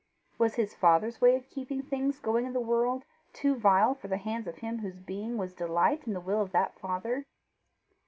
Was his Father's way of keeping things going in the world, too vile for the hands of him whose being was delight in the will of that Father?